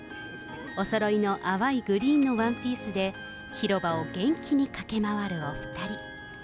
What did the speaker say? おそろいの淡いグリーンのワンピースで広場を元気に駆け回るお２人。